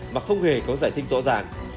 mà không hề có giải thích rõ ràng